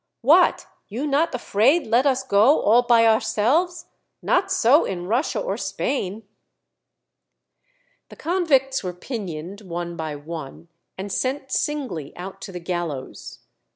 "What, you not afraid let us go all by ourselves? Not so in Russia or Spain." The convicts were pinioned one by one and sent singly out to the gallows.